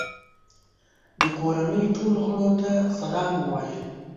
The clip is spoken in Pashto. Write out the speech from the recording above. د کورنۍ ټولو غړو ته سلام ووایه.